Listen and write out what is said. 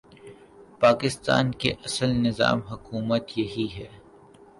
پاکستان کا اصل نظام حکومت یہی ہے۔